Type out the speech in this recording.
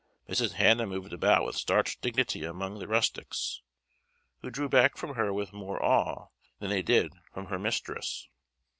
Mrs. Hannah moved about with starched dignity among the rustics, who drew back from her with more awe than they did from her mistress.